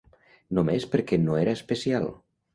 Només perquè no era especial.